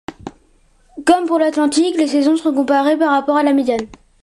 Comme pour l'Atlantique, les saisons sont comparées par rapport à la médiane.